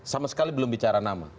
sama sekali belum bicara nama